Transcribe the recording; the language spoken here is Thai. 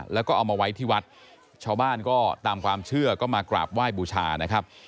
แล้วก็เอามาไว้ที่วัดชาวบ้านก็ตามความเชื่อก็มากราบไหว้บูชานะครับ